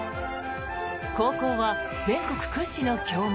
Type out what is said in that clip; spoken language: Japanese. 高校は全国屈指の強豪